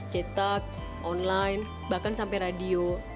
cetak online bahkan sampai radio